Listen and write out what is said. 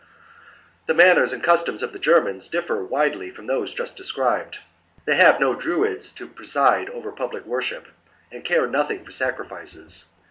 l/ 2 1. The manners and customs of the Germans differ widely from those just described. They have no Druids to preside over public worship. The German and care nothiug for sacrifices.